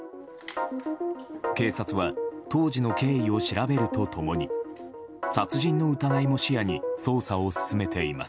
警察は当時の経緯を調べると共に殺人の疑いも視野に捜査を進めています。